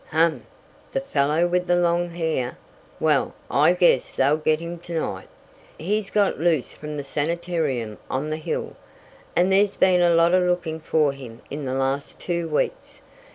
"Hum! That fellow with the long hair? Well, I guess they'll git him to night. He's got loose from the sanitarium on the hill, and there's been a lot of looking for him in the last two weeks.